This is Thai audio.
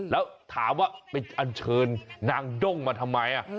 แล้วถามว่าไปอันเชิญนางด้งมาทำไม